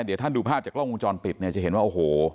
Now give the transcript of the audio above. เดี๋ยวท่านดูภาพจากกล้องวงจรปิดเนี่ยจะเห็นว่าโอ้โห